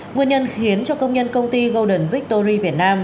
nguyên nhân khiến cho công nhân công ty golden victory việt nam